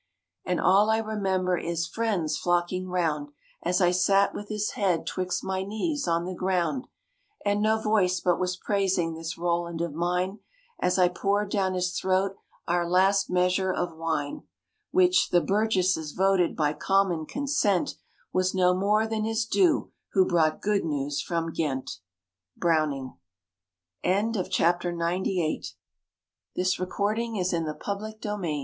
And all I remember is, friends flocking round, As I sat with his head 'twixt my knees on the ground; And no voice but was praising this Roland of mine, As I poured down his throat our last measure of wine, Which (the burgesses voted by common consent) Was no more than his due who brought good news from Ghent. Browning AN INCIDENT OF THE FRENCH CAMP You know, we French stormed Ratisbon: A